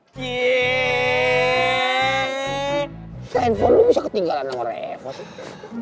se handphone lu bisa ketinggalan sama reva tuh